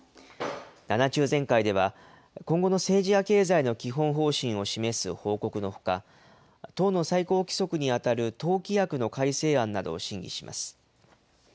７中全会では、今後の政治や経済の基本方針を示す報告のほか、党の最高規則に当たる党規約の改正案などを審議します。